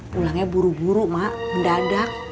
pulangnya buru buru mak mendadak